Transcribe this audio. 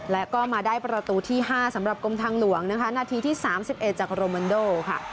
แล้วก็มาได้ประตูที่ห้าสำหรับกรมทางหลวงนะคะนาทีที่สามสิบเอ็ดจากโรเมนโด่ค่ะ